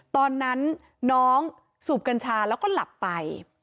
ตอนนั้นน้องสูบกัญชาแล้วก็หลับไป